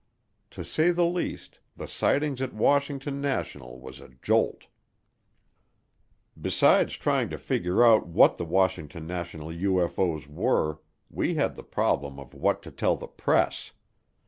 To say the least, the sighting at Washington National was a jolt. Besides trying to figure out what the Washington National UFO's were, we had the problem of what to tell the press.